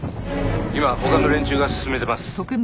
「今他の連中が進めてます」